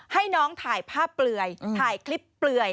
ให้น้องถ่ายภาพเปลือยถ่ายคลิปเปลือย